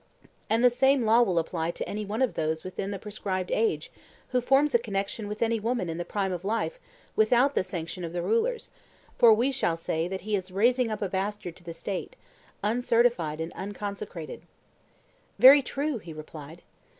And the same law will apply to any one of those within the prescribed age who forms a connection with any woman in the prime of life without the sanction of the rulers; for we shall say that he is raising up a bastard to the State, uncertified and unconsecrated. Very true, he replied.